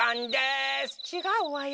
ちがうわよ。